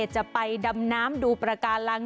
จะไปดำน้ำดูประการัง